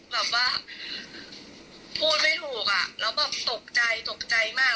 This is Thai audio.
แบบว่าพูดไม่ถูกอ่ะแล้วแบบตกใจตกใจมาก